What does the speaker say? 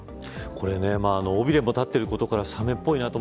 これね尾びれも立ってることからサメっぽいなと。